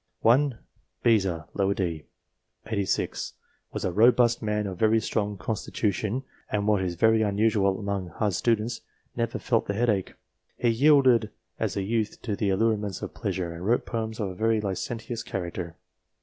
1. Beza, DIVINES 261 d. set. 86 ;" was a robust man of very strong constitution, and what is very unusual among hard students, never felt the headache ;" he yielded as a youth to the allurements of pleasure, and wrote poems of a very licentious character.